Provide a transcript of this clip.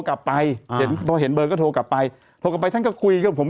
กลับไปเห็นพอเห็นเบอร์ก็โทรกลับไปโทรกลับไปท่านก็คุยกับผม